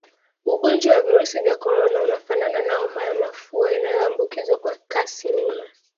Ugonjwa wa Virusi vya Korona unafanana na homa ya mafua inayoambukizwa kwa kasi mno